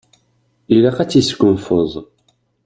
Ilaq ad tesgunfuḍ.